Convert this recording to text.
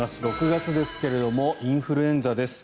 ６月ですけれどもインフルエンザです。